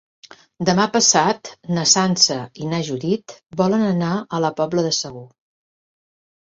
Demà passat na Sança i na Judit volen anar a la Pobla de Segur.